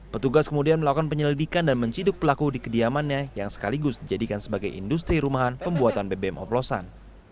petugas kemudian melakukan penyelidikan dan menciduk pelaku di kediamannya yang sekaligus dijadikan sebagai industri rumahan pembuatan bbm oplosan